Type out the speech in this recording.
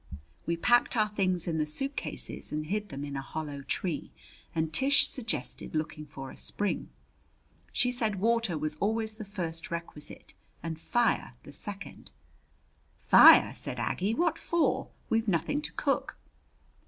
We packed our things in the suitcases and hid them in a hollow tree, and Tish suggested looking for a spring. She said water was always the first requisite and fire the second. "Fire!" said Aggie. "What for? We've nothing to cook."